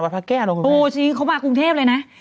วัดภาษาแก้อ่ะคุณแม่โอ้จริงเขามากรุงเทพฯเลยน่ะ